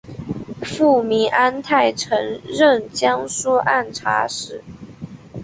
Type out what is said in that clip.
父明安泰曾任江苏按察使。